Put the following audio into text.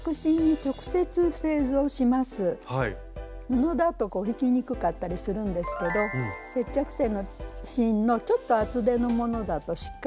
布だと引きにくかったりするんですけど接着芯のちょっと厚手のものだとしっかりしてるので描きやすいです。